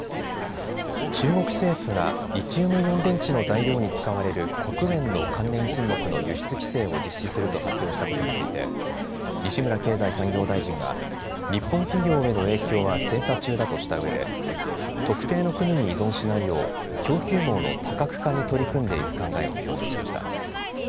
中国政府がリチウムイオン電池の材料に使われる黒鉛の関連品目の輸出規制を実施すると発表したことについて西村経済産業大臣は日本企業への影響は精査中だとしたうえで特定の国に依存しないよう供給網の多角化に取り組んでいく考えを強調しました。